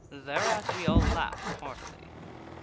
Thereat we all laughed heartily."